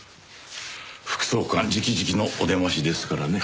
副総監直々のお出ましですからね。